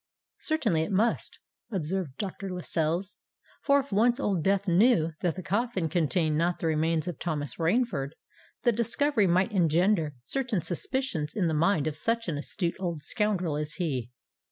"Certainly it must;" observed Dr. Lascelles. "For if once Old Death knew that the coffin contained not the remains of Thomas Rainford, the discovery might engender certain suspicions in the mind of such an astute old scoundrel as he."